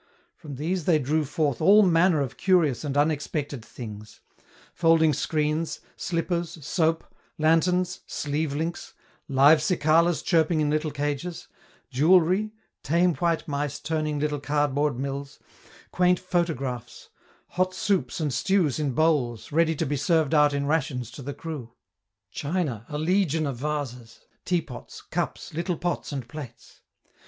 From these they drew forth all manner of curious and unexpected things: folding screens, slippers, soap, lanterns, sleeve links, live cicalas chirping in little cages, jewelry, tame white mice turning little cardboard mills, quaint photographs, hot soups and stews in bowls, ready to be served out in rations to the crew; china, a legion of vases, teapots, cups, little pots and plates.